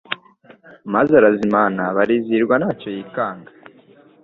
maze arazimana barizihirwa ntacyo yikanga.